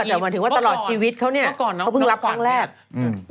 แต่เหมือนถึงว่าตลอดชีวิตเขาเนี่ยเขาเพิ่งรับครั้งแรกเมื่อก่อนน้องขวัญเนี่ย